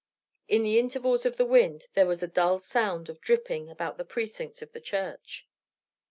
In the intervals of the wind there was a dull sound of dripping about the precincts of the church.